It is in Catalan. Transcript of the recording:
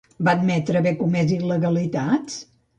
Va admetre haver comès il·legalitats?